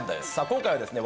今回はですね